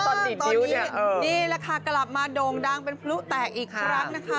ตอนนี้ราคากลับมาโด่งดังเป็นพลุแตกอีกครั้งนะครับ